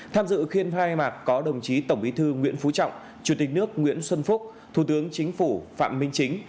tham dự phiên khai mạc có đồng chí tổng bí thư nguyễn phú trọng chủ tịch nước nguyễn xuân phúc thủ tướng chính phủ phạm minh chính